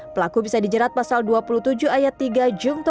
pelaku bisa dijerat pasal dua puluh tujuh ayat tiga